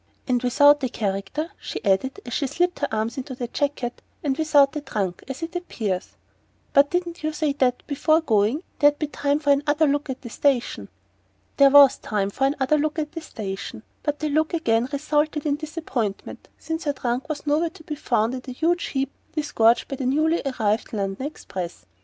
"And without a character!" she added, as she slipped her arms into the jacket. "And without a trunk, as it appears but didn't you say that, before going, there'd be time for another look at the station?" There was time for another look at the station; but the look again resulted in disappointment, since her trunk was nowhere to be found in the huge heap disgorged by the newly arrived London express.